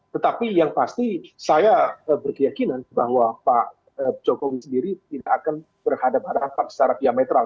tetapi yang pasti saya berkeyakinan bahwa pak jokowi sendiri tidak akan berhadapan secara diametral